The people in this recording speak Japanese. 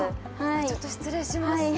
ちょっと失礼します。